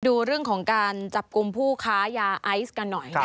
ดูเรื่องของการจับกลุ่มผู้ค้ายาไอซ์กันหน่อย